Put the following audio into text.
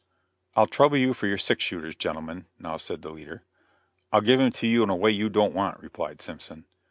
"I'll trouble you for your six shooters, gentlemen," now said the leader. "I'll give 'em to you in a way you don't want," replied Simpson.